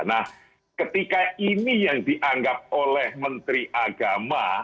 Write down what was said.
nah ketika ini yang dianggap oleh menteri agama